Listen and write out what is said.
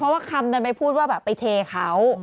เพราะว่าคำนั้นไปพูดว่าแบบไปเทเขา